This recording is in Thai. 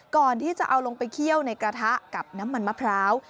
ก่อนที่จะเอาลงไปเคี่ยวในกระทะกับน้ำมันมะพร้าว